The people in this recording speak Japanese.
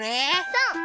そう！